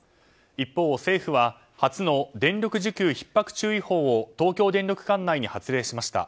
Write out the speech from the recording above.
一方、政府は初の電力需給ひっ迫注意報を東京電力管内に発令しました。